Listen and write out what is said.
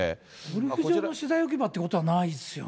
ゴルフ場の資材置き場っていうことはないですよね？